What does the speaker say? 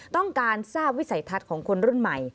ต้องการทราบวิสัยทัศน์ของคนรุ่นใหม่